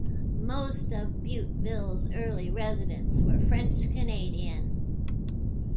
Most of Butteville's early residents were French-Canadian.